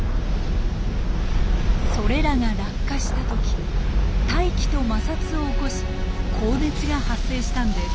それらが落下した時大気と摩擦を起こし高熱が発生したんです。